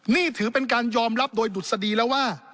นี่ถือเป็นการยอมรับโดยดุษฎีแล้วว่า